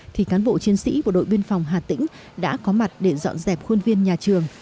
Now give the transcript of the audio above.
thì cán bộ chiến sĩ bộ đội biên phòng hà tĩnh đã có mặt để dọn dẹp khuôn viên nhà trường